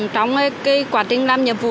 trong cái quá trình làm nhiệm vụ